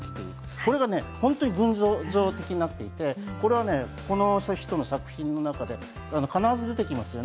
これが本当に群像的になっていて、この人の作品の中で必ず出てきますよね。